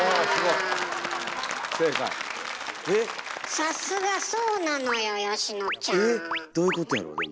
さすがそうなのよ佳乃ちゃん。ええ？どういうことやろでも。